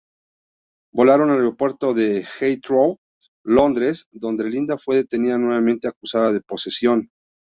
Volaron al aeropuerto de Heathrow, Londres, donde Linda fue detenida nuevamente acusada de posesión.